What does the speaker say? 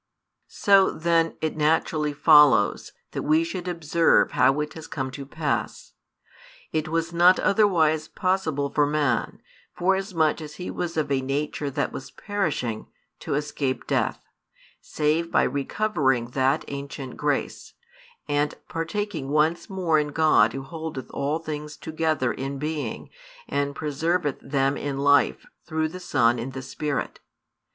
So then it naturally follows that we should observe how it has come to pass. It was not otherwise possible for man, forasmuch as he was of a nature that was perishing, to escape death, save by recovering that ancient grace, and partaking once more in God Who holdeth all things together in being and preserveth them in life through the Son in the Spirit.